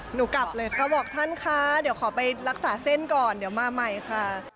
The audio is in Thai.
หนูกลับเลยเขาบอกท่านคะเดี๋ยวขอไปรักษาเส้นก่อนเดี๋ยวมาใหม่ค่ะ